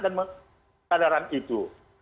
dan kesadaran itu